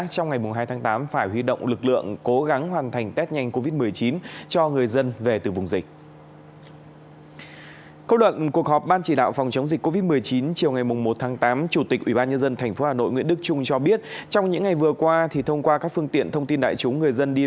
trong ngày hai tháng tám phải huy động lực lượng cố gắng hoàn thành test nhanh covid một mươi chín cho người dân